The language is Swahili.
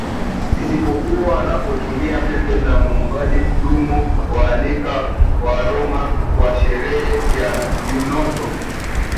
isipokuwa wanapotumia pembe la muumbaji Kudu kuwaalika Wamoran kwa sherehe ya Eunoto